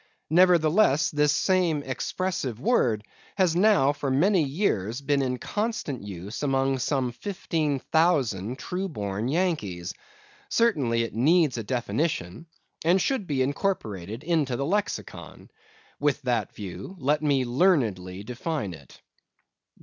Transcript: Nevertheless, this same expressive word has now for many years been in constant use among some fifteen thousand true born Yankees. Certainly, it needs a definition, and should be incorporated into the Lexicon. With that view, let me learnedly define it.